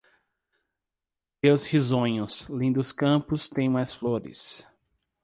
Teus risonhos, lindos campos têm mais flores